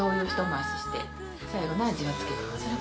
最後の味を付ける。